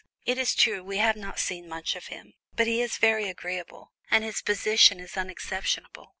It is true, we have not seen much of him, but he is very agreeable, and his position is unexceptionable.